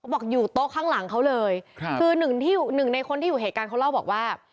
บอกอยู่โต๊ะข้างหลังเขาเลยครับคือหนึ่งที่หนึ่งในคนที่อยู่เหตุการณ์เขาเล่าบอกว่า